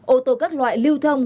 ô tô các loại lưu thông